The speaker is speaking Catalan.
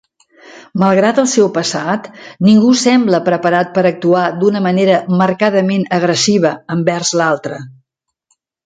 Malgrat el seu passat, ningú sembla preparat per actuar d'una manera marcadament agressiva envers l'altre.